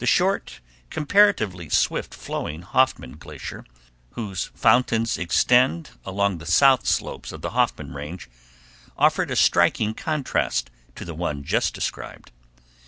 The short, comparatively swift flowing Hoffman Glacier, whose fountains extend along the south slopes of the Hoffman Range, offered a striking contrast to the one just described.